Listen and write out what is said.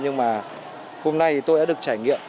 nhưng mà hôm nay tôi đã được trải nghiệm